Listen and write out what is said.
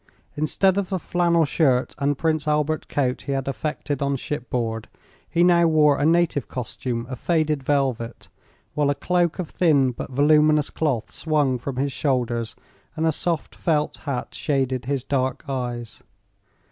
Instead of the flannel shirt and Prince Albert coat he had affected on shipboard he now wore a native costume of faded velvet, while a cloak of thin but voluminous cloth swung from his shoulders, and a soft felt hat shaded his dark eyes.